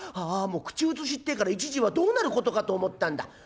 ああもう口うつしってえから一時はどうなることかと思ったんだ。